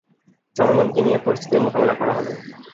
জনগণকে নিয়ে পরিস্থিতির মোকাবিলা করা হবে।